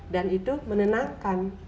dan itu menenangkan